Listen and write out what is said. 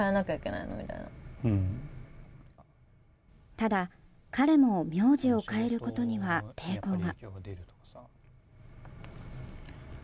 ただ、彼も名字を変えることには抵抗が。